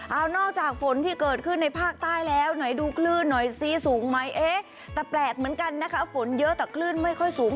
เอานอกจากฝนที่เกิดขึ้นในภาคใต้แล้วไหนดูคลื่นหน่อยซิสูงไหมเอ๊ะแต่แปลกเหมือนกันนะคะฝนเยอะแต่คลื่นไม่ค่อยสูง